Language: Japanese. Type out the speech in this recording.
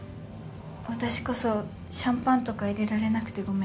私こそシャンパンとか入れられなくてごめん。